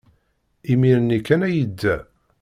Imir-nni kan ay yedda.